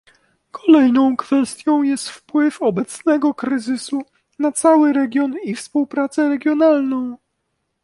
Kolejną kwestią jest wpływ obecnego kryzysu na cały region i współpracę regionalną